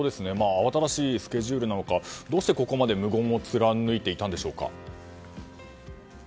慌ただしいスケジュールなのかどうしてここまで無言を貫いていたんでしょうか。